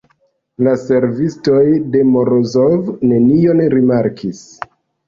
La servistoj de Morozov nenion rimarkis.